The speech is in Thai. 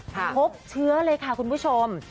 พบเชื้อเลยค่ะคุณผู้ชม